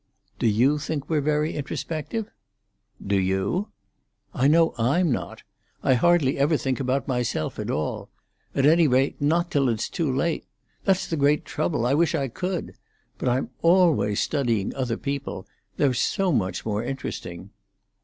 "Do you think we're very introspective?" "Do you?" "I know I'm not. I hardly ever think about myself at all. At any rate, not till it's too late. That's the great trouble. I wish I could. But I'm always studying other people. They're so much more interesting."